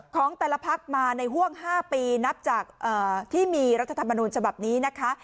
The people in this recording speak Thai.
ของแต่ละพักมาในห่วง๕ปีนับจากที่มีรัฐธรรมนูญฉบับนี้นะคะ